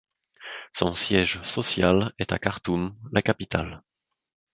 Son siège social est à Khartoum la capitale.